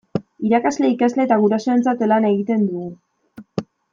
Irakasle, ikasle eta gurasoentzat lan egiten dugu.